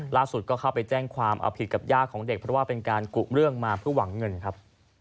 ก็เข้าไปแจ้งความเอาผิดกับย่าของเด็กเพราะว่าเป็นการกุเรื่องมาเพื่อหวังเงินครับ